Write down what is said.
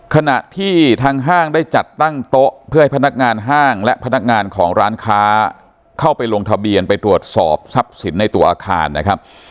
ขณะที่ทางห้างได้จัดตั้งโต๊ะเพื่อให้พนักงานห้างและพนักงานของร้านค้าเข้าไปลงทะเบียนไปตรวจสอบทรัพย์สินในตัวอาคารนะครับ